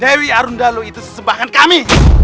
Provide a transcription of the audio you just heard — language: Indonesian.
dewi arundalu itu sesembahan kami